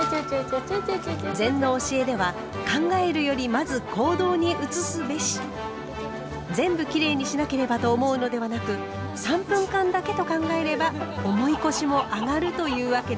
禅の教えでは「全部きれいにしなければ！」と思うのではなく“３分間だけ”と考えれば重い腰もあがるというわけです。